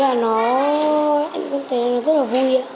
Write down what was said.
con thấy là nó rất là vui